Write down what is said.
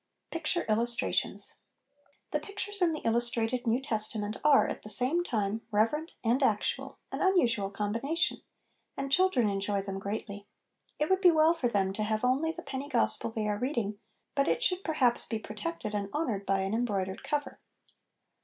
Picture Illustrations. The pictures in the Illus trated New Testament are, at the same time, reverent and actual, an unusual combination, and children enjoy them greatly. It would be well for them to have only the penny gospel they are reading, but it should perhaps be protected (and honoured) by an embroidered cover.